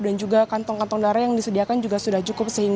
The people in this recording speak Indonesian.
dan juga kantong kantong darah yang disediakan juga sudah cukup sepenuhnya